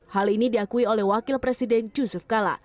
hal ini diakui oleh wakil presiden yusuf kala